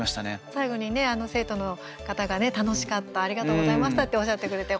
最後に生徒の方がね楽しかったありがとうございましたっておっしゃってくれて。